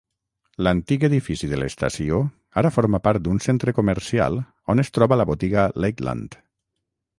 L'antic edifici de l'estació ara forma part d'un centre comercial on es troba la botiga Lakeland.